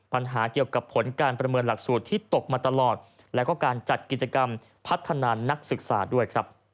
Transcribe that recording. ปัญหาเกี่ยวกับผลการประเมินหลักสูตรที่ตกมาตลอดและก็การจัดกิจกรรมพัฒนานักศึกษาด้วยครับ